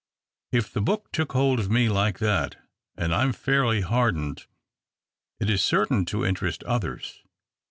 If the book took hold of me like that — and I am fairly hardened — it is certain to interest others.